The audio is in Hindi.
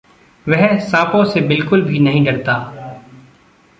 वह सापों से बिलकुल भी नहीं डरता।